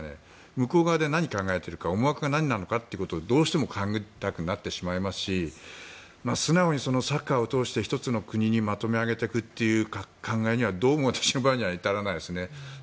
向こう側で何を考えているか思惑が何かどうしても勘繰りたくなってしまいますし素直にサッカーを通して一つの国にまとめ上げていくという考えには、どうも私の場合には至らないです。